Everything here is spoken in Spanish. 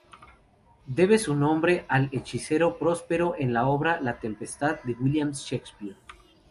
Debe su nombre al hechicero Próspero en la obra "La tempestad" de William Shakespeare.